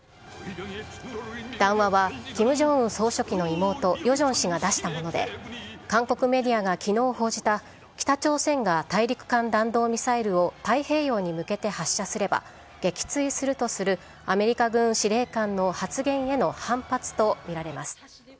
談話はキム・ジョンウン総書記の妹、ヨジョン氏が出したもので、韓国メディアがきのう報じた北朝鮮が大陸間弾道ミサイルを太平洋に向けて発射すれば撃墜するとするアメリカ軍司令官の発言への反発と見られます。